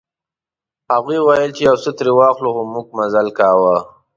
هغوی ویل چې یو څه ترې واخلو خو موږ مزل کاوه.